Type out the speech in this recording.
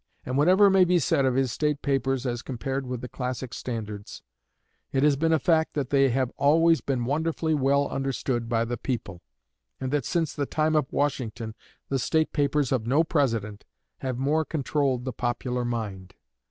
And whatever may be said of his state papers as compared with the classic standards, it has been a fact that they have always been wonderfully well understood by the people, and that since the time of Washington the state papers of no President have more controlled the popular mind.